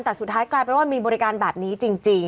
แต่สุดท้ายกลายเป็นว่ามีบริการแบบนี้จริง